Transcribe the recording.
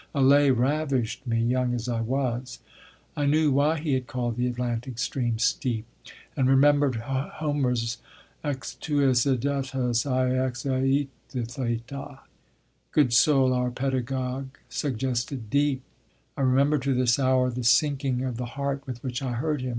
Allay ravished me, young as I was. I knew why he had called the Atlantic stream steep, and remembered Homer's "Στυγὸς ὔδατος αἰπὰ ῥέεθρα." Good soul, our pedagogue suggested deep! I remember to this hour the sinking of the heart with which I heard him.